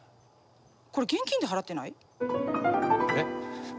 これ現金で払ってない？